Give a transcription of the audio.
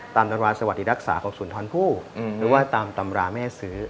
ตามตำราสวัสดีรักษาของศูนย์ท้อนผู้หรือว่าตามตำราแม่ซื้อ